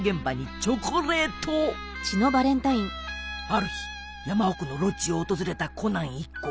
ある日山奥のロッジを訪れたコナン一行。